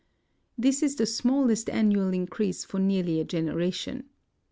This is the smallest annual increase for nearly a genera tion.